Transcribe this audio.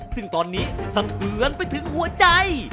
ซึ่งตอนนี้สะเทือนไปถึงหัวใจ